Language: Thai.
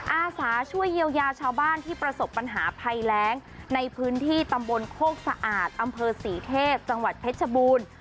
อาสาช่วยเยียวยาชาวบ้านที่ประสบปัญหาภัยแรงในพื้นที่ตำบลโคกสะอาดอำเภอศรีเทพจังหวัดเพชรบูรณ์